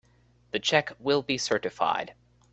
The check will be certified.